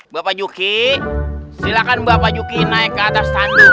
bapak juki silakan bapak juki naik ke atas tandu